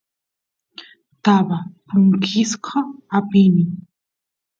taba punkisqa apini